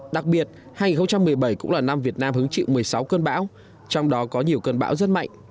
đặc biệt hai nghìn một mươi bảy cũng là năm việt nam hứng chịu một mươi sáu cơn bão trong đó có nhiều cơn bão rất mạnh